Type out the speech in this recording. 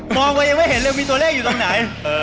ไว้ยังไม่เห็นเลยมีตัวเลขอยู่ตรงไหน